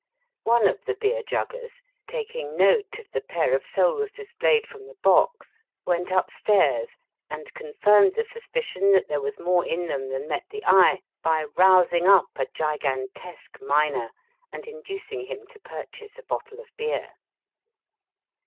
One of the beer juggers, taking note of the pair of soles displayed from the box, went upstairs, and confirmed the sus picion that there was more in them than met the eye by rousing up a gigantesque miner and inducing him to purchase a bottle of beer.